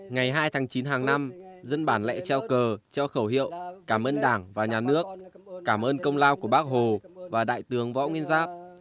ngày hai tháng chín hàng năm dân bản lại trao cờ cho khẩu hiệu cảm ơn đảng và nhà nước cảm ơn công lao của bác hồ và đại tướng võ nguyên giáp